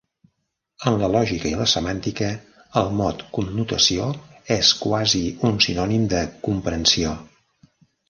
En la lògica i la semàntica, el mot "connotació" és quasi un sinònim de "comprensió".